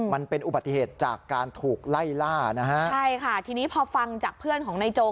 มันเป็นอุบัติเหตุจากการถูกไล่ล่านะฮะใช่ค่ะทีนี้พอฟังจากเพื่อนของนายโจ